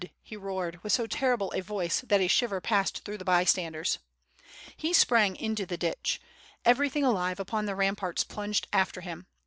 he roared, with so terrible a voice, that a shiver passed through the bystanders. He sprang into the ditch. Everything alive upon the ram parts plunged after him.